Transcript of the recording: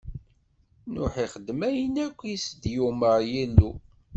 Nuḥ ixdem ayen akk i s-d-yumeṛ Yillu.